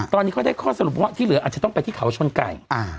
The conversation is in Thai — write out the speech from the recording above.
ตอนนี้เขาได้ข้อสรุปว่าที่เหลืออาจจะต้องไปที่เขาชนไก่